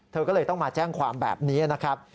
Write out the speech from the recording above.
เธอก็เลยต้องมาแจ้งความแบบนี้นะครับ